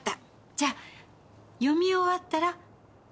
じゃあ読み終わったら寝るのよ。